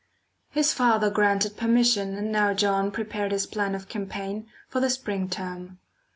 His father granted permission, and now John prepared his plan of campaign for the spring term.